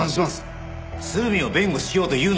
鶴見を弁護しようというのではありません。